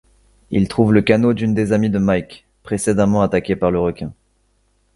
Ils trouvent le canot d'une des amies de Mike, précédemment attaquée par le requin.